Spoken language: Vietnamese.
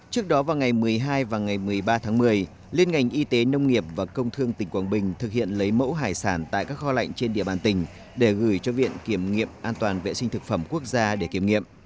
trước đó vào ngày một mươi hai và ngày một mươi ba tháng một mươi liên ngành y tế nông nghiệp và công thương tỉnh quảng bình thực hiện lấy mẫu hải sản tại các kho lạnh trên địa bàn tỉnh để gửi cho viện kiểm nghiệm an toàn vệ sinh thực phẩm quốc gia để kiểm nghiệm